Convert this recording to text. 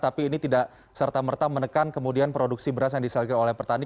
tapi ini tidak serta merta menekan kemudian produksi beras yang disalurkan oleh petani